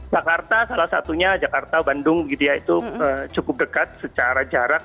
jakarta salah satunya jakarta bandung itu cukup dekat secara jarak